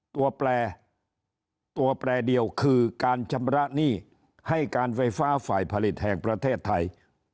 ตัวแปรตัวแปรเดียวคือการชำระหนี้ให้การไฟฟ้าฝ่ายผลิตแห่งประเทศไทย